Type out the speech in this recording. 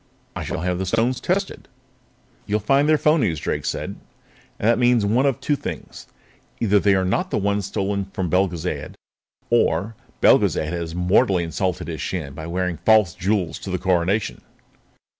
I shall have the stones tested." "You'll find they're phonies," Drake said. "And that means one of two things. Either they are not the ones stolen from Belgezad or else Belgezad has mortally insulted his Shan by wearing false jewels to the Coronation."